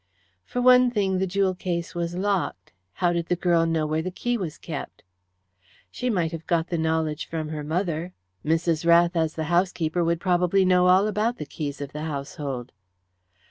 "For one thing, the jewel case was locked. How did the girl know where the key was kept?" "She might have got the knowledge from her mother. Mrs. Rath, as the housekeeper, would probably know all about the keys of the household."